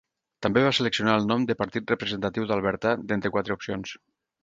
També va seleccionar el nom de Partit Representatiu d'Alberta d'entre quatre opcions.